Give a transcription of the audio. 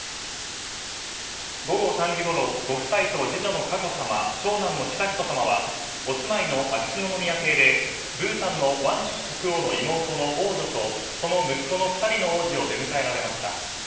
午後３時ごろご夫妻と次女の佳子さま長男の悠仁さまはお住まいの秋篠宮邸でブータンのワンチュク国王の妹の王女とその２人の王子を出迎えられました。